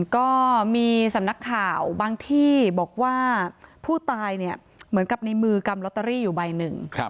ก็มีสำนักข่าวบางที่บอกว่าผู้ตายเนี่ยเหมือนกับในมือกำลอตเตอรี่อยู่ใบหนึ่ง